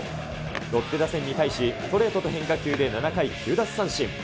ロッテ打線に対しストレートと変化球で、７回９奪三振。